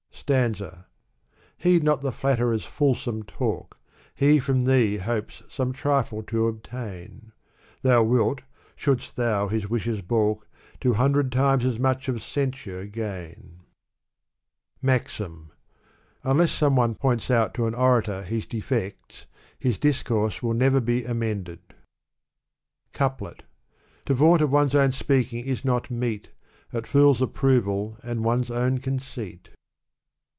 Sfanza. Heed not the flatterer's fulsome talk, He from thee hopes some trifle to obtain ; Thou wilt, shouldst thou his wishes balk, Two hundred times as much of censure gain. Digitized by I Google i Gulistan; or, Rose Garden. 311 BCAXIM. Until some one points out to an orator his defects, his discourse will never be amended. CoupUt To vaunt of one's own speaking is not meet. At fools' approval and one's own conceit.